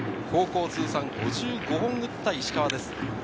高校通算５５本打った石川です。